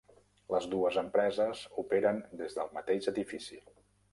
Les dues empreses operen des del mateix edifici.